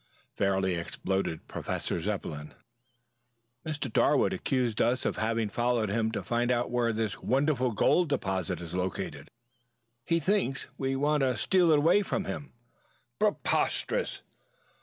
fairly exploded Professor Zepplin. "Mr. Darwood accuses us of having followed him to find out where this wonderful gold deposit is located. He thinks we want to steal it away from him." "Preposterous!"